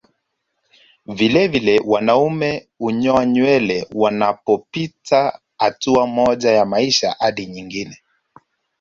Vilevile wanaume hunyoa nywele wanapopita hatua moja ya maisha hadi nyingine